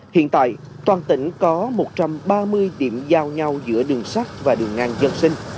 hiện tại toàn tỉnh có một trăm ba mươi điểm giao nhau giữa đường sắt và đường ngang dân sinh